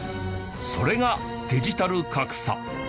それがデジタル格差。